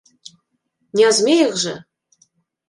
Не о змеях же?